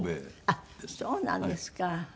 あっそうなんですか。